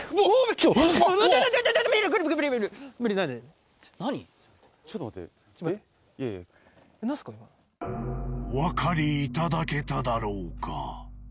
今のおわかりいただけただろうか？